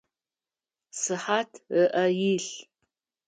Сыхьат ыӏэ илъ.